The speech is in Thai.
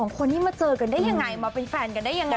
คนนี้มาเจอกันได้ยังไงมาเป็นแฟนกันได้ยังไง